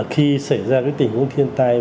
khi xảy ra cái tình huống thiên tai